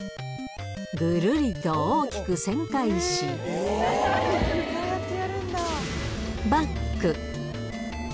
ぐるりと大きく旋回し、バック。